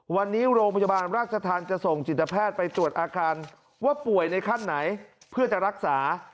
วันนี้โรงพยาบาลราชธรรมจะส่งจิตแพทย์ไปตรวจอาการว่าป่วยในขั้นไหนเพื่อจะรักษา